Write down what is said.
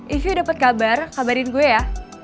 if you dapet kabar kabarin gue ya